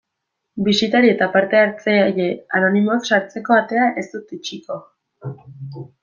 Bisitari eta parte hartzaile anonimoak sartzeko atea ez dut itxiko.